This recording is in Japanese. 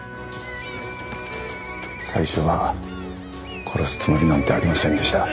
最初は殺すつもりなんてありませんでした。